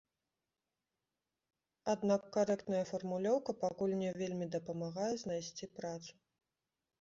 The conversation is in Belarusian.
Аднак карэктная фармулёўка пакуль не вельмі дапамагае знайсці працу.